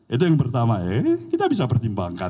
itu yang pertama kita bisa pertimbangkan itu